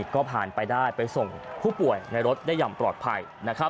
ก็ผ่านไปได้ไปส่งผู้ป่วยในรถได้อย่างปลอดภัย